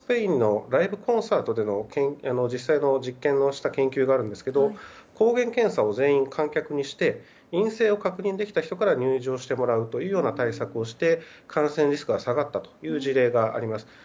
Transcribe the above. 例えば、スペインの外部コンサートで実際実験をした研究がありますが抗原検査を観客全員にして陰性を確認できた人から入場してもらうという対策をして感染リスクが下がったという事例があります。